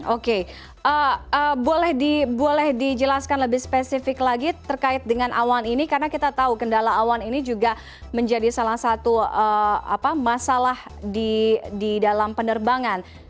oke boleh dijelaskan lebih spesifik lagi terkait dengan awan ini karena kita tahu kendala awan ini juga menjadi salah satu masalah di dalam penerbangan